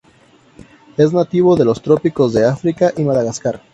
Es nativo de los trópicos de África y Madagascar.